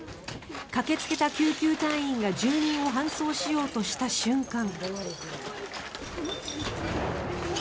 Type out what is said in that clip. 駆けつけた救急隊員が住民を搬送しようとした瞬間。